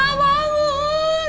bangun pak bangun